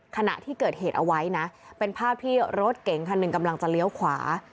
ขณะที่เกิดเหตุเอาไว้นะเป็นภาพที่รถเก๋งคันหนึ่งกำลังจะเลี้ยวขวา